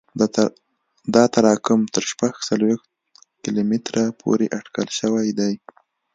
دا تراکم تر شپږ څلوېښت کیلومتره پورې اټکل شوی دی